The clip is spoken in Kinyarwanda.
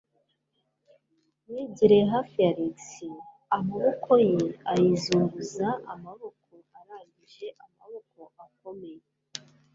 Yegereye hafi ya Alex, amaboko ye ayizunguza amaboko arangije amaboko akomeye.